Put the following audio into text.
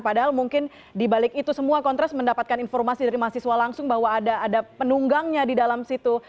padahal mungkin dibalik itu semua kontras mendapatkan informasi dari mahasiswa langsung bahwa ada penunggangnya di dalam situ